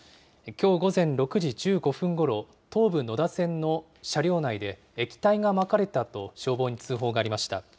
きょう午前６時１５分ごろ、東武野田線の車両内で液体がまかれたと、消防に通報がありました。